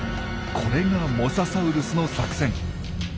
これがモササウルスの作戦。